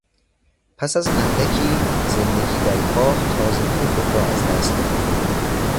پس از اندکی زندگی در کاخ تازگی خود را از دست داد.